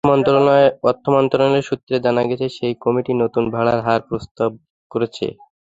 অর্থ মন্ত্রণালয় সূত্রে জানা গেছে, সেই কমিটি নতুন ভাড়ার হার প্রস্তাব করেছে।